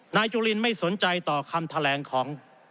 จุลินไม่สนใจต่อคำแถลงของ